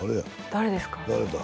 誰ですか？